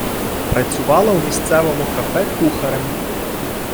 Працювала в місцевому кафе кухарем.